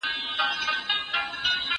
دا اثر د پوهنتون په کچه تدریس کیږي.